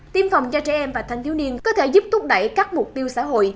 tiêm phòng cho trẻ em và thanh thiếu niên có thể giúp thúc đẩy các mục tiêu xã hội